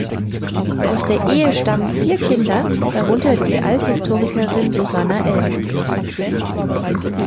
Aus der Ehe stammen vier Kinder, darunter die Althistorikerin Susanna Elm.